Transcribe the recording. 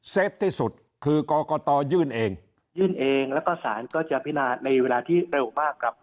ที่สุดคือกรกตยื่นเองยื่นเองแล้วก็สารก็จะพินาในเวลาที่เร็วมากครับ